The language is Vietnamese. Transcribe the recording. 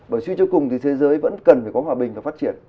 bởi suy cho cùng thì thế giới vẫn cần phải có hòa bình và phát triển